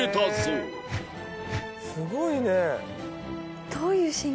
すごいね。